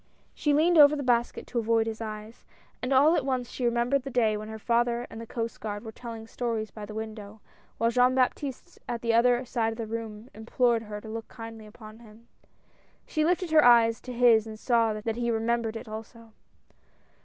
She leaned over the basket to avoid his eyes, and all AT LAST. 203 at once she remembered the day when her father and the Coast Guard were telling stories by the window, while Jean Baptiste at the other side of the room implored her to look kindly upon him. She lifted her eyes to his and saw that he remembered it also.